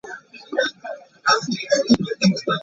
He was a baby that cries for the newest toy.